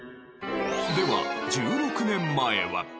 では１６年前は。